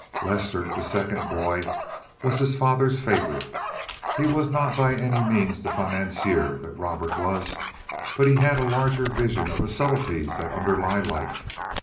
Lester, the second boy, was his father's favorite. He was not by any means the financier that Robert was, but he had a larger vision of the subtleties that underlie life.